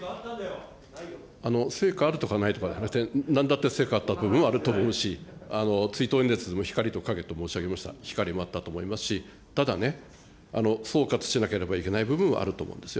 成果あるとか考えれば、なんだって、成果あったというのはあると思いますし、追悼演説でも光と影と申し上げました、光もあったと思いますし、ただね、総括しなければいけない部分はあると思うんですよ。